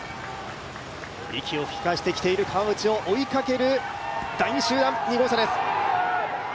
息を吹き返してきている川内を追いかける第２集団、２号車です。